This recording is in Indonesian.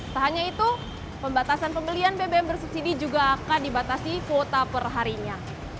tak hanya itu pembatasan pembelian bbm bersubsidi juga akan dibatasi kuota perharinya